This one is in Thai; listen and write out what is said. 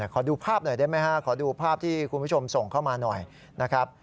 ขอดูภาพหน่อยได้ไหมฮะขอดูภาพที่คุณผู้ชมส่งเข้ามาหน่อยนะครับ